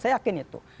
saya yakin itu